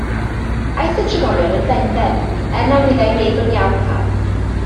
Aeth y trigolion yn benben, er na wyddai neb yn iawn pam.